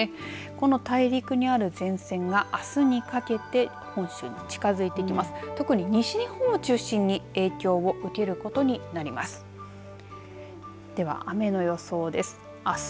この大陸にある前線があすにかけて本州に近づいてきます。